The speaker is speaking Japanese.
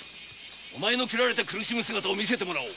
切られて苦しむ姿を見せてもらおう。